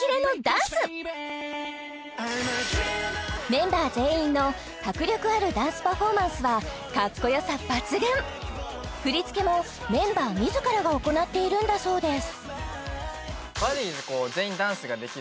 メンバー全員の迫力あるダンスパフォーマンスはかっこよさ抜群振り付けもメンバー自らが行っているんだそうです